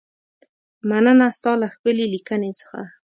مننه ستا له ښکلې لیکنې څخه.